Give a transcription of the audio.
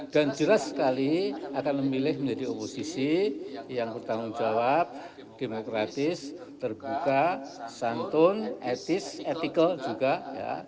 dan jelas sekali akan memilih menjadi oposisi yang bertanggung jawab demokratis terbuka santun etis etikal juga ya